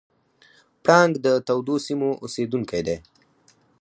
پړانګ د تودو سیمو اوسېدونکی دی.